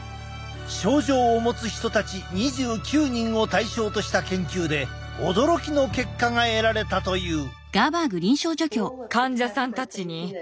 症状を持つ人たち２９人を対象とした研究で驚きの結果が得られたという。